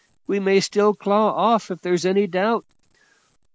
We may still claw off if there's any doubt."